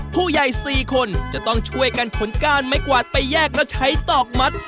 ผู้ใหญ่๔คนจะต้องช่วยกันขนก้านไม้กวาดไปแยกแล้วใช้ตอกมัด